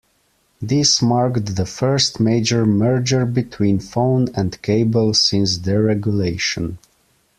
This marked the first major merger between phone and cable since deregulation.